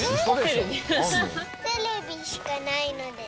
テレビしかないのです。